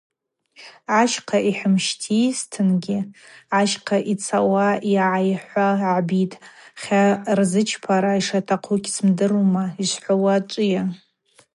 Ащхъа йхӏымщтисызтынгьи ащхъа йцауа-йгӏайхуа гӏбитӏ, хьа рзычпара шатахъу гьсымдырума, йшвхӏвауа ачӏвыйа.